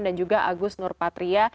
dan juga agus nurpatria